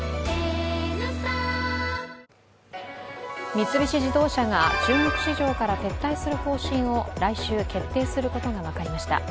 三菱自動車が中国市場から撤退する方針を来週、決定することが分かりました。